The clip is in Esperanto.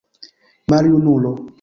maljunulo